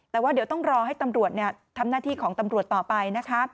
แต่ว่าเดี๋ยวต้องรอให้ตำรวจทำหน้าที่ของตำรวจต่อไปนะคะ